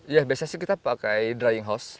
ya biasa sih kita pakai drying house